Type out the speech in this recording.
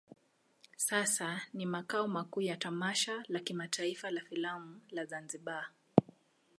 Sasa ni makao makuu ya tamasha la kimataifa la filamu la Zanzibar.